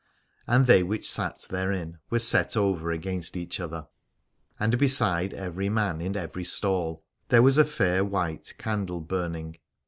And they which sat therein were set over against each other : and beside every man in every stall there was a fair white candle burning.